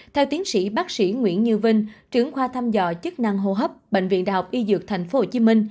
theo tiến sĩ bác sĩ nguyễn như vinh trưởng khoa thăm dò chức năng hô hấp bệnh viện đại học y dược tp hcm